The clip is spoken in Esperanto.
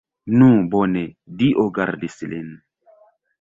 Nu, bone, Dio gardis lin!